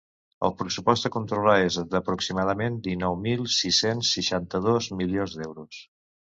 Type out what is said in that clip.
El pressupost a controlar és d'aproximadament dinou mil sis-cents seixanta-dos milions d'euros.